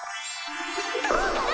どうかな？